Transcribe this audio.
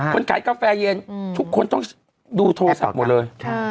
คนขายกาแฟเย็นทุกคนต้องดูโทรศัพท์หมดเลย